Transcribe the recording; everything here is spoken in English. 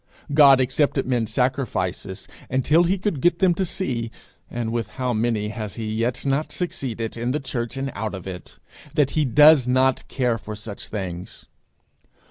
God accepted men's sacrifices until he could get them to see and with how many has he yet not succeeded, in the church and out of it! that he does not care for such things.